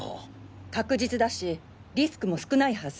確実だしリスクも少ないはず。